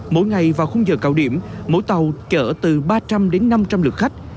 mỗi ngày vào khung giờ cao điểm mỗi tàu chở từ ba trăm linh đến năm trăm linh lượt khách